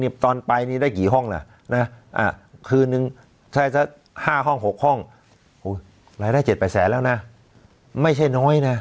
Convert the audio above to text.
นิบตอนไปนี่ได้กี่ห้องน่ะน่ะอ่าคืนนึงใช้สักห้าห้องหกห้องโอ้ยรายได้เจ็ดไปแสนแล้วน่ะไม่ใช่น้อยน่ะ